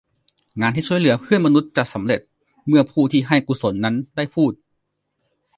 งานที่ช่วยเหลือเพื่อนมนุษย์จะสำเร็จเมื่อผู้ที่ให้กุศลนั้นได้พูด